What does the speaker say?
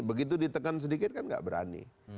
begitu ditekan sedikit kan nggak berani